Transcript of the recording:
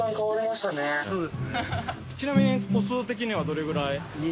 ちなみに個数的にはどれぐらい？